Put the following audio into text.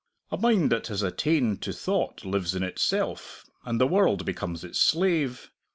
A mind that has attained to thought lives in itself, and the world becomes its slave.